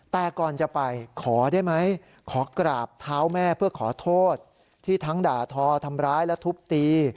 แต่ก่อนจะไปขอได้ไหมขอกราบเท้าแม่เพื่อขอโทษที่ทั้งด่าทอทำร้ายและทุบตี